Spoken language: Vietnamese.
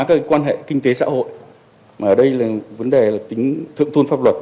các quan hệ kinh tế xã hội mà ở đây là vấn đề là tính thượng tôn pháp luật